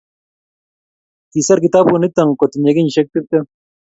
Kiser kitabut nito kotinyei kenyisiek tiptem